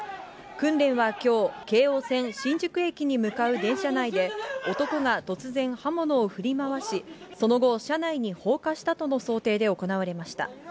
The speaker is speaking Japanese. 訓練はきょう、京王線新宿駅に向かう電車内で、男が突然、刃物を振り回し、その後、車内に放火したとの想定で行われました。